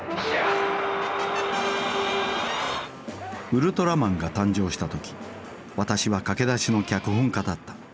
ウルトラマンが誕生した時私は駆け出しの脚本家だった。